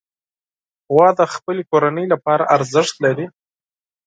غوا د خپلې کورنۍ لپاره ارزښت لري.